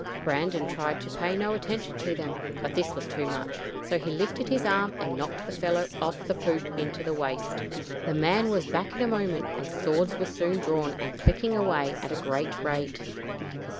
Brandon tried to pay no attention to them, but this was too much, so he lifted his arm and knocked the fellow off the poop into the waist. The man was back in a moment, and swords were soon drawn and clicking away at a great rate.